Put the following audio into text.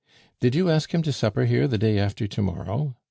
"Did you ask him to supper here the day after to morrow?"